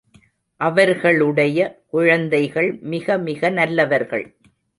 அவர்களுடைய குழந்தைகள் மிக மிக மிக நல்லவர்கள்.